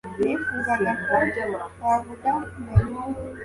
Nifuzaga ko wavuga mbere.